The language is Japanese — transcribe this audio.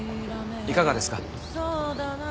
いかがですか？